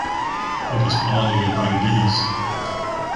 It is pollinated by the bees.